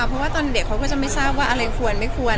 เพราะว่าตอนเด็กเขาก็จะไม่ทราบว่าอะไรควรไม่ควร